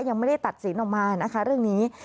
ยังไม่ได้ตัดสินออกมานะคะเรื่องนี้